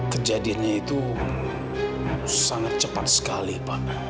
kejadiannya itu sangat cepat sekali pak